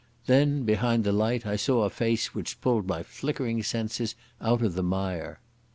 Then behind the light I saw a face which pulled my flickering senses out of the mire.